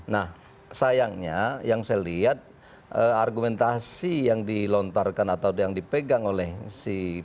nah sayangnya yang saya lihat argumentasi yang dilontarkan atau yang dipegang oleh si